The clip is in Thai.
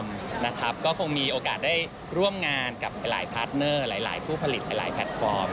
นะครับก็คงมีโอกาสได้ร่วมงานกับหลายพาร์ทเนอร์หลายผู้ผลิตหลายแพลตฟอร์ม